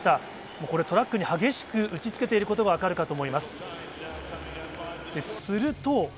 もうこれ、トラックに激しく打ちつけていることが分かるかと思います。